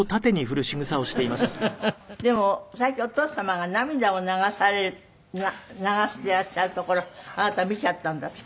でも最近お父様が涙を流していらっしゃるところをあなた見ちゃったんだって？